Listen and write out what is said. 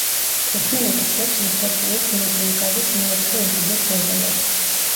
თურქმენეთი ფლობს მსოფლიოს ბუნებრივი გაზის მეოთხე უდიდეს რეზერვებს.